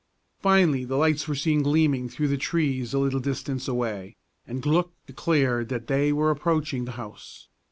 Finally lights were seen gleaming through the trees a little distance away, and Glück declared that they were approaching the house.